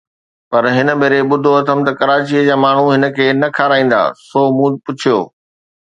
پر هن ڀيري ٻڌو اٿم ته ڪراچيءَ جا ماڻهو هن کي نه کارائيندا، سو مون پڇيو